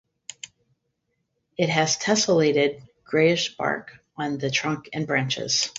It has tessellated greyish bark on the trunk and branches.